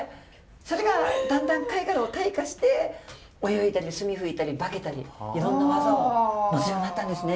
それがだんだん貝殻を退化して泳いだり墨吹いたり化けたりいろんな技を持つようになったんですね。